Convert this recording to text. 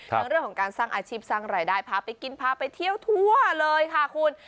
ในเรื่องของการสร้างอาชีพตัวไหลน์ได้ที่เที่ยวถั่วเลยค่ะคุณ